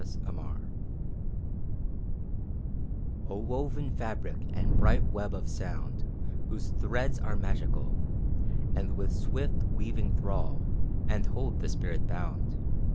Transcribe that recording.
ODE TO MUSIC O woven fabric and bright web of sound, Whose threads are magical, And with swift weaving thrall And hold the spirit bound!